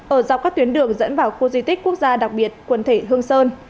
ở dọc các tuyến đường dẫn vào khu di tích quốc gia đặc biệt quần thể hương sơn